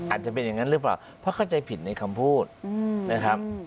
อาจจะเป็นอย่างนั้นหรือเปล่าเพราะเข้าใจผิดในคำพูดนะครับ